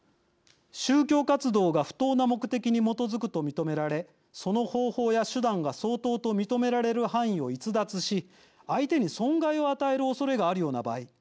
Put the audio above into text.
宗教活動が不当な目的に基づくと認められその方法や手段が相当と認められる範囲を逸脱し相手に損害を与えるおそれがあるような場合。